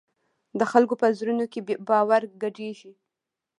د خلکو په زړونو کې باور ګډېږي.